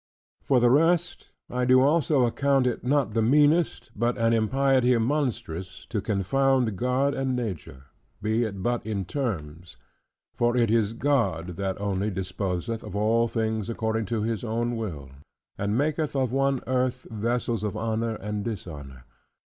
For the rest; I do also account it not the meanest, but an impiety monstrous, to confound God and Nature; be it but in terms. For it is God, that only disposeth of all things according to His own will, and maketh of one earth, vessels of honor and dishonor.